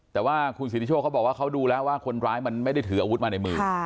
แต่ว่าคุณสิทธิโชคเขาบอกว่าเขาดูแล้วว่าคนร้ายมันไม่ได้ถืออาวุธมาในมือ